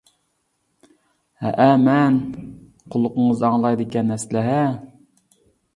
-ھەئە مەن، قۇلىقىڭىز ئاڭلايدىكەن ئەسلى ھە!